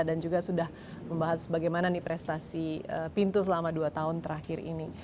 dan juga sudah membahas bagaimana nih prestasi pintu selama dua tahun terakhir ini